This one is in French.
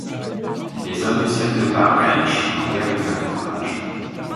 Les hommes du Circle Bar Ranch n'ont guère le cœur à l'ouvrage.